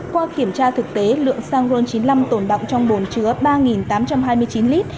qua kiểm tra thực tế lượng xăng ron chín mươi năm tồn đọng trong bồn chứa ba tám trăm hai mươi chín lít